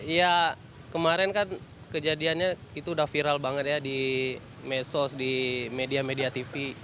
ya kemarin kan kejadiannya itu udah viral banget ya di medsos di media media tv